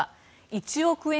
１億円